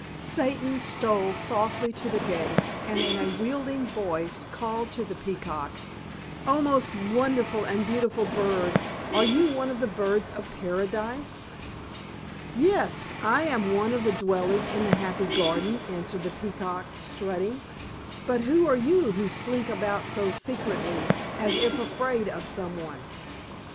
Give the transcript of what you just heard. Satan stole softly to the gate and in a wheedling voice called to the Peacock, "O most wonderful and beautiful bird! Are you one of the birds of Paradise?" "Yes, I am one of the dwellers in the happy garden," answered the Peacock, strutting. "But who are you who slink about so secretly, as if afraid of some one?"